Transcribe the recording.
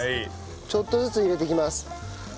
ちょっとずつ入れていきます。